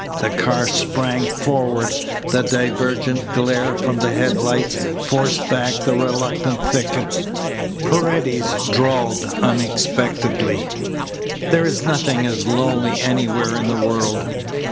The car sprang forward. The divergent glare from the headlights forced back the reluctant thicket. Paredes drawled unexpectedly: "There is nothing as lonely anywhere in the world."